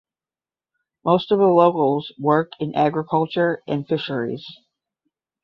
Most of the locals work in agriculture and fisheries.